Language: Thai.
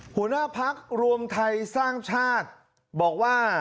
หัวหน้าพักรวมไทยสร้างชาติบอกว่า